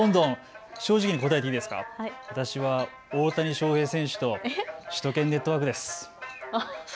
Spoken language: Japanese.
私は大谷翔平選手と首都圏ネットワークです。